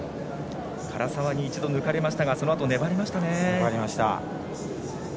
唐澤に一度抜かれましたがそのあと粘りましたね。